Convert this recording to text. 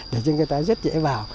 để cho người ta rất dễ vào